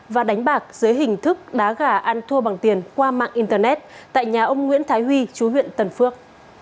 và đánh bạc dưới hình thức đá gà ăn thua bằng tiền qua mạng internet tại nhà ông nguyễn thái huy chú huyện tần phước